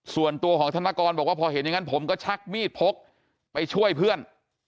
ส่วนตัวของธนกรบอกว่าพอเห็นอย่างนั้นผมก็ชักมีดพกไปช่วยเพื่อน